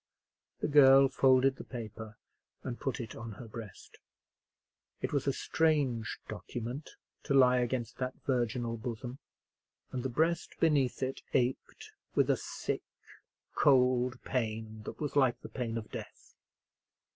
The girl folded the paper and put it in her breast. It was a strange document to lie against that virginal bosom: and the breast beneath it ached with a sick, cold pain, that was like the pain of death.